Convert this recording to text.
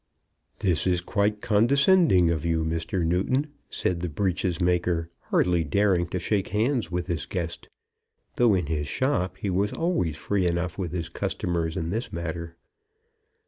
"This is quite condescending of you, Mr. Newton," said the breeches maker, hardly daring to shake hands with his guest, though in his shop he was always free enough with his customers in this matter.